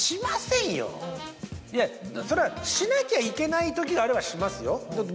それはしなきゃいけないときがあればしますよ。